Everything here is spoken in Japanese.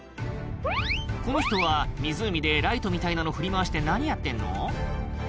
この人は湖でライトみたいなの振り回して何やってんの？